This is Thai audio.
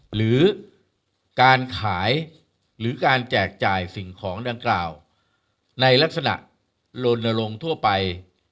หรือการขายหรือการแจกจ่ายสิ่งของดังกล่าวในลักษณะลนลงทั่วไป